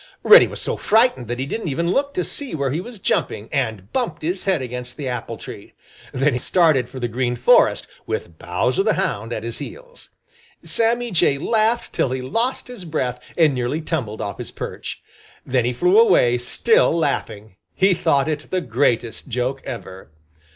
Reddy was so frightened that he didn't even look to see where he was jumping, and bumped his head against the apple tree. Then he started for the Green Forest, with Bowser the Hound at his heels. Sammy Jay laughed till he lost his breath and nearly tumbled off his perch. Then he flew away, still laughing. He thought it the greatest joke ever.